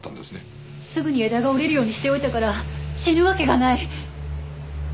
すぐに枝が折れるようにしておいたから死ぬわけがない！